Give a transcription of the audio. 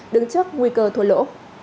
đứng trước nguy cơ thua lỗ